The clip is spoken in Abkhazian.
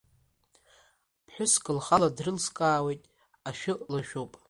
Ԥҳәыск лхала дрылскаауеит, ашәы лшәуп.